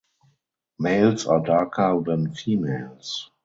Males are darker than females.